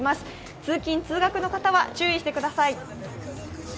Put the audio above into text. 通勤通学の方は注意してください。